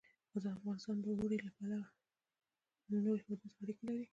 افغانستان د اوړي له پلوه له نورو هېوادونو سره اړیکې لري.